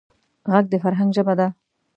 غږ د فرهنګ ژبه ده